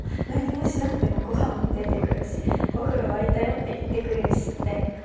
何もしなくても御飯も出てくるしお風呂沸いたよって言ってくれるしみたいな。